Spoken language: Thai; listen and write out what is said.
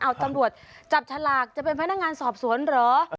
เอาตำรวจจับฉลากจะเป็นพนักงานสอบสวนเหรอ